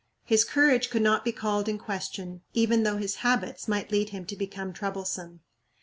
His courage could not be called in question even though his habits might lead him to become troublesome.